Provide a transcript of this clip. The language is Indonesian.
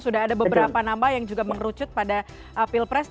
sudah ada beberapa nama yang juga mengerucut pada pilpres